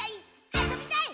あそびたい！